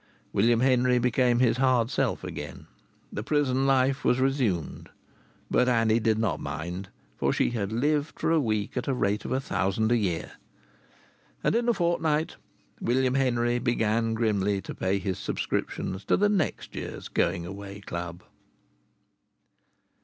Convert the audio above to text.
William Henry became his hard self again. The prison life was resumed. But Annie did not mind, for she had lived for a week at the rate of a thousand a year. And in a fortnight William Henry began grimly to pay his subscriptions to the next year's Going Away Club.